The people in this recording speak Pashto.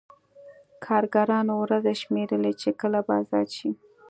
کارګرانو ورځې شمېرلې چې کله به ازاد شي